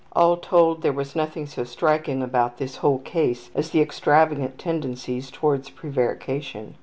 All told, there was nothing so striking about this whole case as the extravagant tendencies towards prevarication.